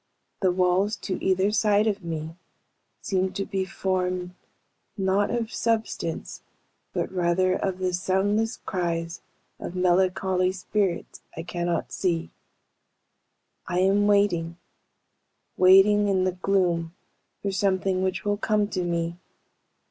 The walls to either side of me seem to be formed, not of substance, but rather of the soundless cries of melancholy of spirits I cannot see. "I am waiting, waiting in the gloom for something which will come to me.